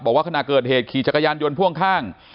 บอกว่าขณะเกิดเหตุขี่จักรยานยนต์พ่วงข้าง